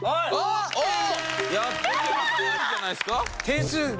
点数。